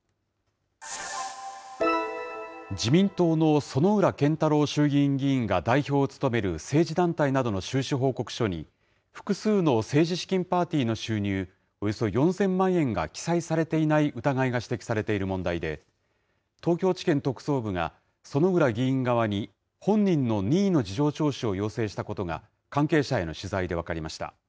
自民党の薗浦健太郎衆議院議員が代表を務める政治団体などの収支報告書に、複数の政治資金パーティーの収入およそ４０００万円が記載されていない疑いが指摘されている問題で、東京地検特捜部が、薗浦議員側に本人の任意の事情聴取を要請したことが、関係者への取材で分かりました。